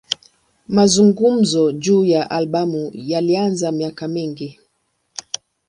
Mazungumzo juu ya albamu yalianza miaka mingi.